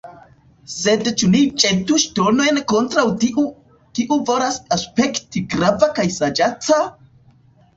Sed ĉu ni ĵetu ŝtonon kontraŭ tiu, kiu volas aspekti grava kaj sagaca?